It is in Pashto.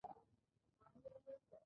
پرې خپل صادرات غښتلي کړي.